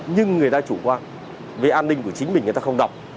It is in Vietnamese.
nhưng người ta chủ quan về an ninh của chính mình người ta không đọc